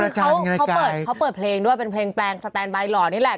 คือเขาเปิดเพลงด้วยเป็นเพลงแปลงสแตนบายหล่อนี่แหละ